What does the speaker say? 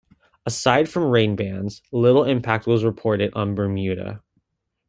Aside from rainbands, little impact was reported on Bermuda.